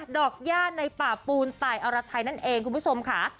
ย่าในป่าปูนตายอรไทยนั่นเองคุณผู้ชมค่ะ